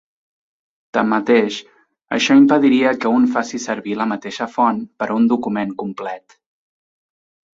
Tanmateix, això impediria que un faci servir la mateixa font per a un document complet.